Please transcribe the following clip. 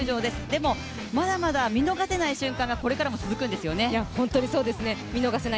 でもまだまだ見逃せない瞬間がこれからも続くんですよね。